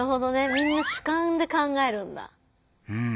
みんな主観で考えるんだ。